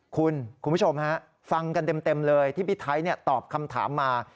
คุณผู้ชมฮะฟังกันเต็มเลยที่พี่ไทยตอบคำถามมา